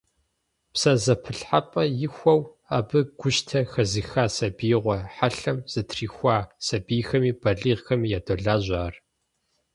ПсэзэпылъхьэпӀэ ихуэу, абы гущтэ хэзыха, сабиигъуэ хьэлъэм зэтрихуа сабийхэми балигъхэми ядолажьэ ар.